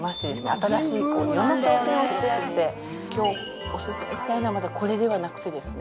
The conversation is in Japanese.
新しい色んな挑戦をしてやって今日オススメしたいのはまだこれではなくてですね